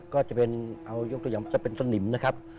ก็จะเป็นเอายกตัวอย่างจะเป็นสนิมนะครับ